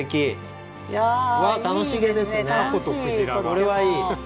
これはいい。